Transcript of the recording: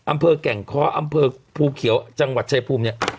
อำเภอแก่งค้ออำเภอภูเขียวจังหวัดชายภูมิเนี่ย